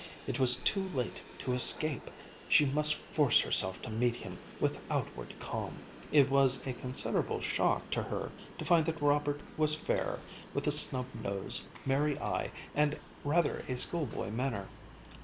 It was too late to escape; she must force herself to meet him with outward calm. It was a considerable shock to her to find that Robert was fair, with a snub nose, merry eye, and rather a schoolboy manner.